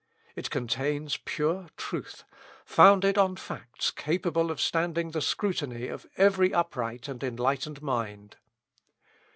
It contains pure truth, founded on facts capable of standing the scrutiny of every upright and enlightened mind.